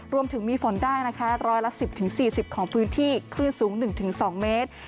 รวมถึงมีฝนได้นะคะร้อยละ๑๐๔๐ของพื้นที่คลื่นสูง๑๒เมตร